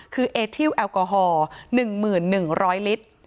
คือเอทิลแอลกอฮอล์๑๑๐๐ลิตร